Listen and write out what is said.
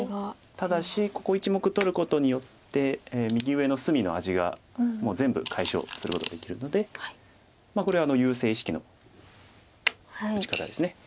ただしここ１目取ることによって右上の隅の味がもう全部解消することできるのでこれ優勢意識の打ち方です。